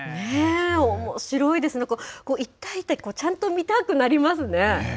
おもしろいですね、一体一体ちゃんと見たくなりますね。